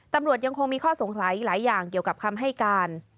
ตำรวจยังคงมีข้อสงสัยหลายอย่างเกี่ยวกับคำให้การ